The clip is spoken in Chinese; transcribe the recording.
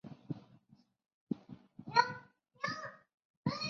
台湾稠李为蔷薇科梅属下的一个种。